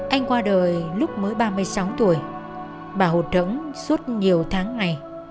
anh qua đời lúc mới ba mươi sáu tuổi bà hụt rỗng suốt nhiều tháng ngày